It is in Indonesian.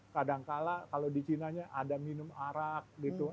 kadangkala kalau di china nya ada minum arak gitu